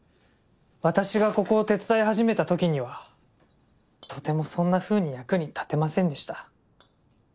私がここを手伝い始めた時にはとてもそんなふうに役に立てませんでした。